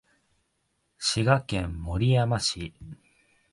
滋賀県守山市